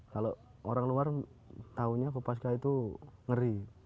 kalau orang luar tahunya kopaska itu ngeri